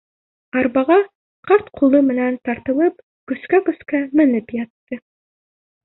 Арбаға ҡарт ҡулы менән тартылып көскә-көскә менеп ятты.